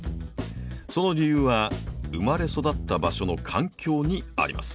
その理由は生まれ育った場所の環境にあります。